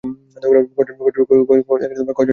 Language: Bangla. কয়জন নিবে বলেছে কিছু?